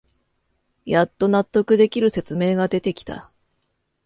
やっと納得できる説明が出てきた